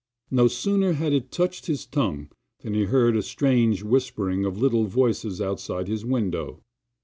No sooner had it touched his tongue than he heard a strange whispering of little voices outside his window.